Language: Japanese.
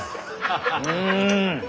うん！